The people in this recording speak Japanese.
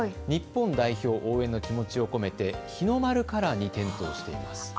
日本代表、応援の気持ちを込めて日の丸カラーに点灯しています。